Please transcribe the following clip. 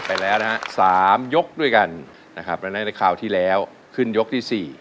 ไปแล้วนะฮะสามยกด้วยกันนะครับดังนั้นในคราวที่แล้วขึ้นยกที่๔